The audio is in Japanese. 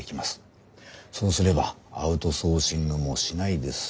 そうすればアウトソーシングもしないで済むかもしれない。